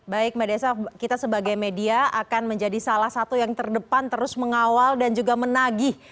baik mbak desa kita sebagai media akan menjadi salah satu yang terdepan terus mengawal dan juga menagih